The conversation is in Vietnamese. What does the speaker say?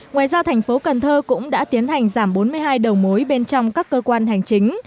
ngoài ra thành phố cần thơ cũng đã tiến hành giảm bốn mươi hai đầu mối bên trong các cơ quan hành chính